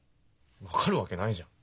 分かるわけないじゃん。